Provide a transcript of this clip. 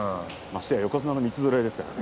ましてや横綱の三つぞろいですから。